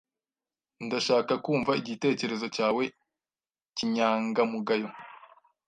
Ndashaka kumva igitekerezo cyawe kinyangamugayo.